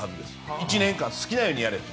１年間好きなようにやれと。